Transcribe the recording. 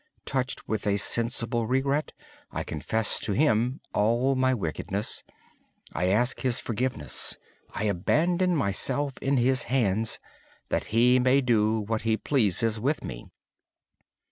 Touched with a sensible regret I confess all my wickedness to Him. I ask His forgiveness. I abandon myself in His hands that He may do what He pleases with me.